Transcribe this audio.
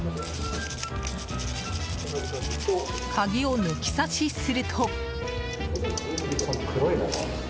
鍵を抜きさしすると。